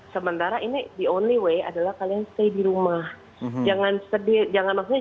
sementara ini the only way adalah kalian stay di rumah